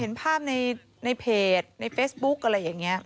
เห็นภาพในเพจในเฟซบุ๊กอะไรอย่างนี้